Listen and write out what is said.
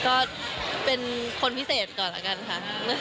ก็เป็นคนพิเศษก่อนแล้วกันค่ะ